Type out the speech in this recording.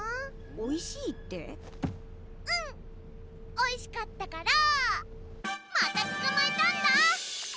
おいしかったからまた捕まえたんだ！